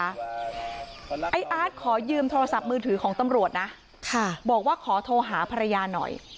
ไอ้อาร์ตขอยืมโทรศัพท์มือถือของตำรวจนะบอกว่าขอโทรหาภรรยาหน่อย